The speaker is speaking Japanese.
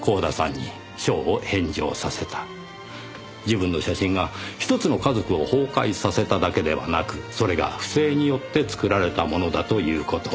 自分の写真がひとつの家族を崩壊させただけではなくそれが不正によって作られたものだという事。